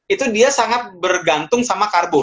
itu dia sangat bergantung sama karbo